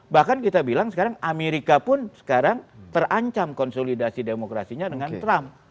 bahkan kita bilang sekarang amerika pun sekarang terancam konsolidasi demokrasinya dengan trump